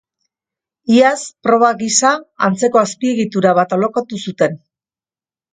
Iaz, proba gisa, antzeko azpiegitura bat alokatu zuten.